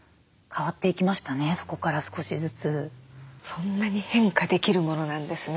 そんなに変化できるものなんですね。